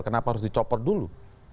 kenapa harus dicopot dulu